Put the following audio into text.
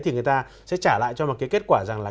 thì người ta sẽ trả lại cho một cái kết quả rằng là